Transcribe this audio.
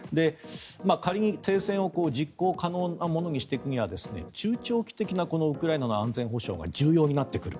仮に停戦を実行可能なものにしていくには中長期的なウクライナの安全保障が重要になってくる。